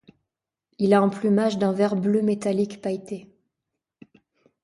Il a un plumage d'un vert-bleu métallique pailleté.